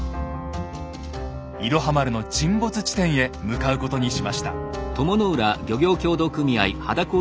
「いろは丸」の沈没地点へ向かうことにしました。